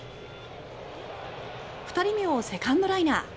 ２人目をセカンドライナー。